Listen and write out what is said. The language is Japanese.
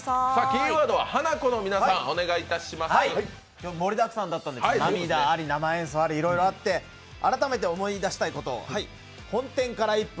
今日は盛りだくさんだったんですけど、涙あり、生演奏なりいろいろあって改めて思い出したいこと。